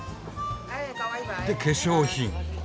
で化粧品。